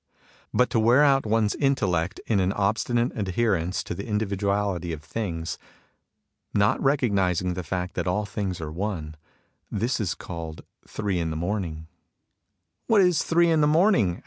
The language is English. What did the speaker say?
But to wear out one's intellect in an obstinate adherence to the individuality of things, not recognising the fact that all things are One, — this is called Three in the Morning^ " What is Three in the Morning